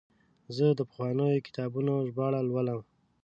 زه د پخوانیو کتابونو ژباړه لولم.